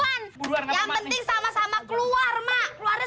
keluar sama sama keluar mak